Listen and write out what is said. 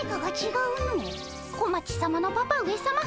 小町さまのパパ上さま